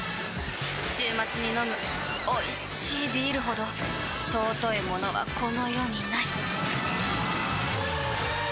週末に飲むおいしいビールほど尊いものはこの世にない！